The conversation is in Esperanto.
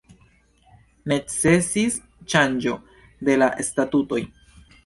Necesis ŝanĝo de la statutoj.